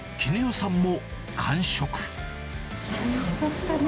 おいしかったね。